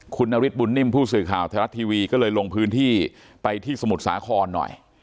คุณนฤทธบุญนิ่มผู้สื่อข่าวไทยรัฐทีวีก็เลยลงพื้นที่ไปที่สมุทรสาครหน่อย